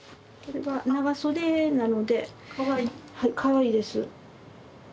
これが長袖なのでかわいいです。